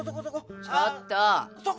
ちょっと。